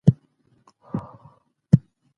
دا شېبه ورته د ویاړ وړ وه.